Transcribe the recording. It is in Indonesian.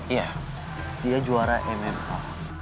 iya dia juara mma